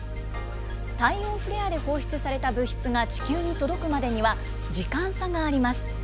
太陽フレアで放出された物質が地球に届くまでには時間差があります。